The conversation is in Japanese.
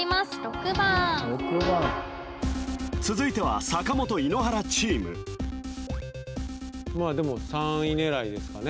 ６番続いては坂本井ノ原チームまあでも３位狙いですかね